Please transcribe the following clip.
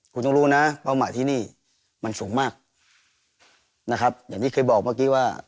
คุณต้องรู้นะเป้าหมายที่นี่มันสูงมากนะครับอย่างที่เคยบอกเมื่อกี้ว่า